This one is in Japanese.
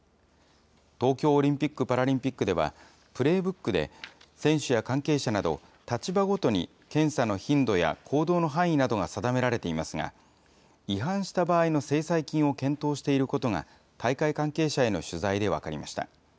東京オリンピック・パラリンピックでは、プレーブックで、選手や関係者など、立場ごとに検査の頻度や行動の範囲などが定められていますが、違反した場合の制裁金を検討していることが、大会関係者への取材で分かりました。